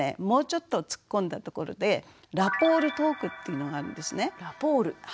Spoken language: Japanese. もうちょっと突っ込んだところでラポールトークっていうのがあるんですね。